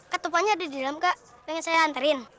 kak topannya ada di dalam kak pengen saya hantarin